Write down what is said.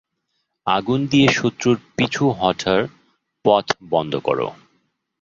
আগুন দিয়ে শত্রুর পিছু হটার পথ বন্ধ কর।